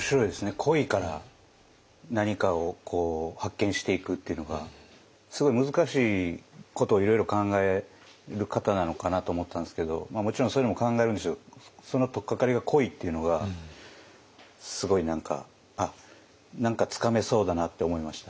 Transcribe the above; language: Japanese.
恋から何かを発見していくっていうのがすごい難しいことをいろいろ考える方なのかなと思ったんですけどもちろんそういうのも考えるんでしょうけどその取っかかりが恋っていうのがすごい何かつかめそうだなって思いましたね。